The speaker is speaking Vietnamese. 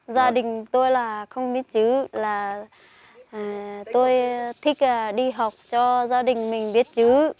gia đình tôi là không biết chữ là tôi thích đi học cho gia đình mình biết chữ